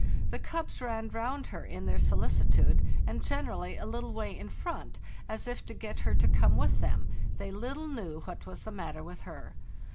The cubs ran round her in their solicitude, and generally a little way in front, as if to get her to come with them; they little knew what was the matter with her.